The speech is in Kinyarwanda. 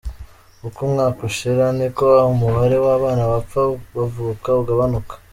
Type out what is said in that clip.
Uko umwaka ushira niko n’umubare w’abana bapfa bavuka ugabanuka.